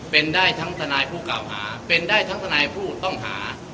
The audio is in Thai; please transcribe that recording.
เป็นได้ทั้งทนายผู้เก่าหาเป็นได้ทั้งทนายผู้ต้องหา